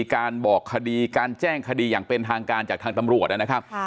การบอกคดีการแจ้งคดีอย่างเป็นทางการจากทางตำรวจนะครับ